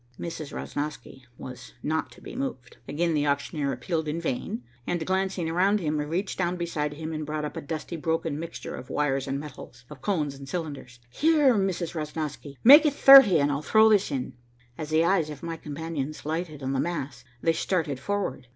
Mrs. Rosnosky was not to be moved. Again the auctioneer appealed in vain and, glancing around him, he reached down beside him and brought up a dusty broken mixture of wires and metals, of cones and cylinders. "Here, Mrs. Rosnosky! Make it thirty, and I'll throw this in." As the eyes of my companions lighted on the mass, they started forward.